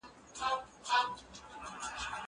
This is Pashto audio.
قلمان د زده کوونکي له خوا پاکيږي!!